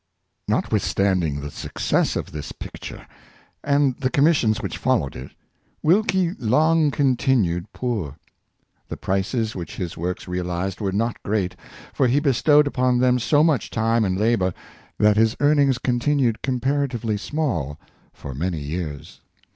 Notwithstanding the success of this picture, and the commissions which followed it, Wilkie long continued poor. The prices which his works realized were not great, for he bestowed upon them so much time and labor, that his earnings continued comparatively small for many years.